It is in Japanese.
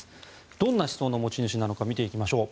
どんな思想の持ち主なのか見ていきましょう。